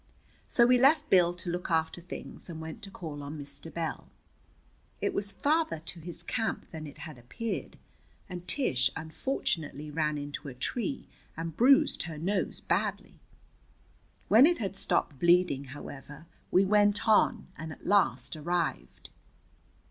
So we left Bill to look after things, and went to call on Mr. Bell. It was farther to his camp than it had appeared, and Tish unfortunately ran into a tree and bruised her nose badly. When it had stopped bleeding, however, we went on, and at last arrived.